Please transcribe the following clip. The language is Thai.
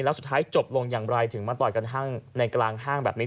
แล้วสุดท้ายจบลงอย่างไรถึงมาต่อยกันในกลางห้างแบบนี้